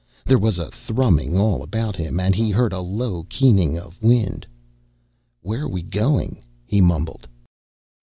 There was a thrumming all about him, and he heard a low keening of wind. "Where are we going?" he mumbled.